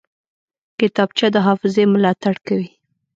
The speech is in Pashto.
کتابچه د حافظې ملاتړ کوي